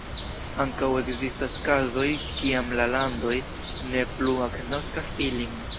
Ankaŭ ekzistas kazoj kiam la landoj ne plu agnoskas ilin.